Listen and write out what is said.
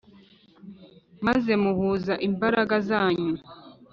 Maze muhuza imbaraga zanyu.